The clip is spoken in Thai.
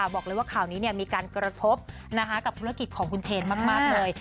บอกเลยว่าข่าวนี้มีการกระทบกับธุรกิจของคุณเทนมากเลย